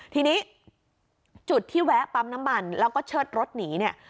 ทีนี้จุดที่แวะปั๊มน้ำมันแล้วก็เชิดรถหนีเนี่ย